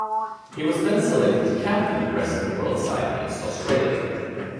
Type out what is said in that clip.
He was then selected to captain the Rest-of-the-World side against Australia.